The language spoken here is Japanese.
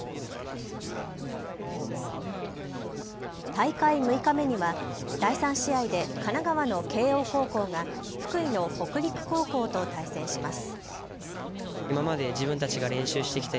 大会６日目には第３試合で神奈川の慶応高校が福井の北陸高校と対戦します。